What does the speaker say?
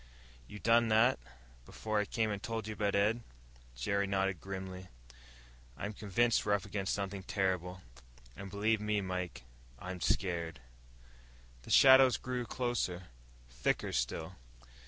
"You done that, before I came and told you about Ed?" Jerry nodded grimly. "I'm convinced we're up against something terrible. And believe me, Mike, I'm scared." The shadows drew closer, thicker still.